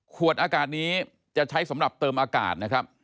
ขวดอากาศนี้จะใช้สำหรับเติมอากาศนะครับ